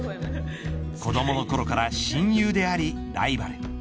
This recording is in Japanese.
子どものころから親友でありライバル。